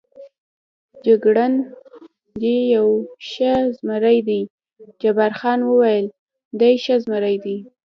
جګړن: دی یو ښه زمري دی، جبار خان وویل: دی ښه زمري دی.